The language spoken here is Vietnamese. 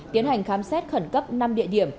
tiến hành khám xét khẩn cấp năm địa điểm